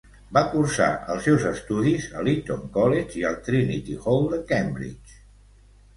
Va cursar els seus estudis a l'Eton College i al Trinity Hall de Cambridge.